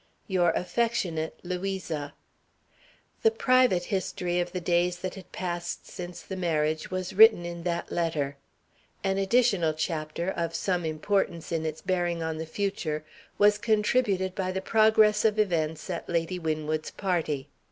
"Your affectionate LOUISA." The private history of the days that had passed since the marriage was written in that letter. An additional chapter of some importance in its bearing on the future was contributed by the progress of events at Lady Winwood's party.